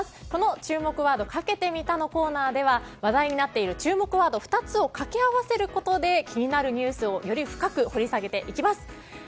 この注目ワードかけてみたのコーナーでは話題になっている注目ワード２つを掛け合わせることで気になるニュースをより深く掘り下げていきます。